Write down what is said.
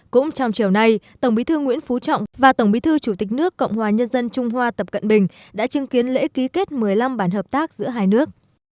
cũng trong chiều nay tổng bí thư nguyễn phú trọng và tổng bí thư chủ tịch nước cộng hòa nhân dân trung hoa tập cận bình đã chứng kiến lễ ký kết một mươi năm bản hợp tác giữa hai nước